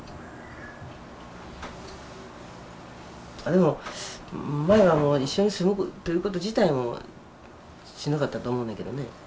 でも前はもう一緒に住むということ自体もしなかったと思うんだけどね。